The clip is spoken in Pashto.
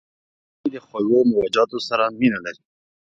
لمسی د خوږو میوهجاتو سره مینه لري.